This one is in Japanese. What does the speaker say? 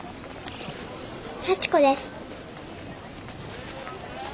幸子です。